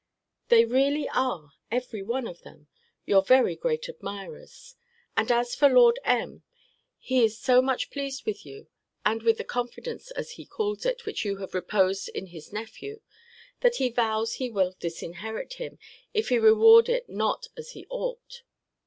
They really are (every one of them) your very great admirers. And as for Lord M., he is so much pleased with you, and with the confidence, as he calls it, which you have reposed in his nephew, that he vows he will disinherit him, if he reward it not as he ought.